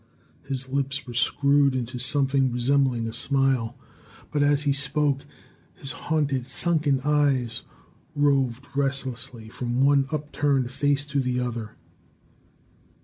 His lips were screwed into something resembling a smile; but as he spoke, his haunted, sunken eyes roved restlessly from one upturned face to the other.